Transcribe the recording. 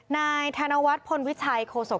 นายธนวัฒน์พลวิชัยโคศก